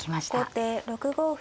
後手６五歩。